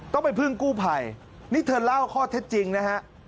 ต้องไปพึ่งกู้ภัยนี่เธอเล่าข้อเท็จจริงนะฮะ